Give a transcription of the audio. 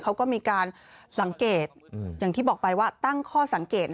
เขาก็มีการสังเกตอย่างที่บอกไปว่าตั้งข้อสังเกต